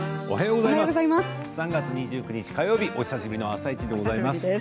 おはようございます。